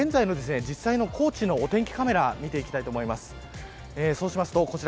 現在の実際の高知のお天気カメラを見ていきたいと思います。